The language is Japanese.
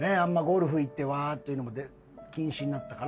ゴルフ行ってわーっていうのも禁止になったから。